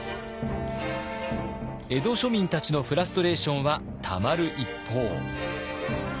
江戸庶民たちのフラストレーションはたまる一方。